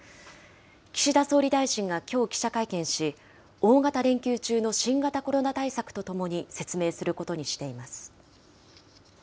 岸田総理大臣がきょう記者会見し、大型連休中の新型コロナ対策とともに説明することにしています。